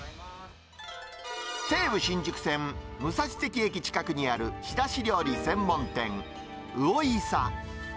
西武新宿線武蔵関駅近くにある仕出し料理専門店、魚伊三。